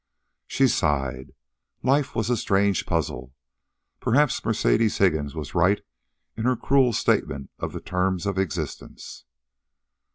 She sighed. Life was a strange puzzle. Perhaps Mercedes Higgins was right in her cruel statement of the terms of existence.